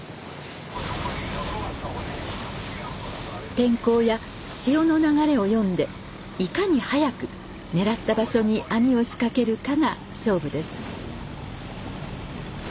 天候や潮の流れを読んでいかに早く狙った場所に網を仕掛けるかが勝負です。